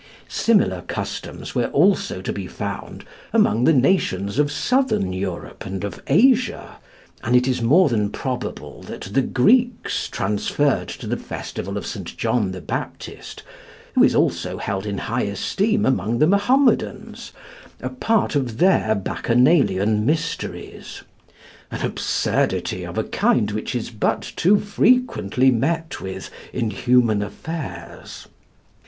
Similar customs were also to be found among the nations of Southern Europe and of Asia, and it is more than probable that the Greeks transferred to the festival of John the Baptist, who is also held in high esteem among the Mahomedans, a part of their Bacchanalian mysteries, an absurdity of a kind which is but too frequently met with in human affairs.